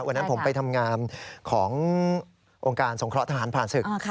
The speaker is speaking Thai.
วันนั้นผมไปทำงานขององค์การสงเคราะห์ทหารผ่านศึก